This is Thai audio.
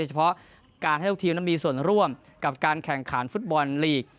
เฉพาะการให้ทุกทีมนั้นมีส่วนร่วมกับการแข่งขันฟุตบอลลีก